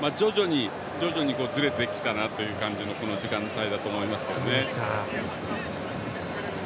徐々にずれてきた感じのこの時間帯だと思いますけどね。